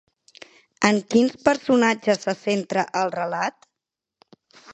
En quins personatges se centra el relat?